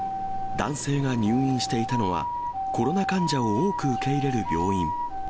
男性が入院していたのは、コロナ患者を多く受け入れる病院。